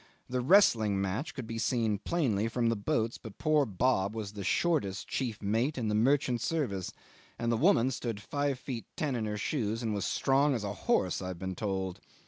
The wrestling match could be seen plainly from the boats; but poor Bob was the shortest chief mate in the merchant service, and the woman stood five feet ten in her shoes and was as strong as a horse, I've been told.